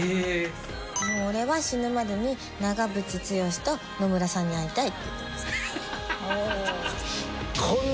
「俺は死ぬまでに長渕剛と野村さんに会いたい」って言ってました。